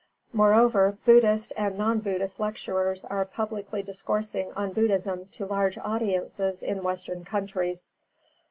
Moreover, Buddhist and non Buddhist lecturers are publicly discoursing on Buddhism to large audiences in western countries.